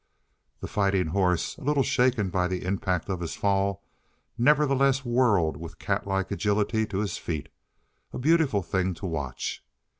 The fighting horse, a little shaken by the impact of his fall, nevertheless whirled with catlike agility to his feet a beautiful thing to watch.